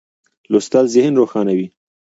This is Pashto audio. لوستل ذهن روښانوي.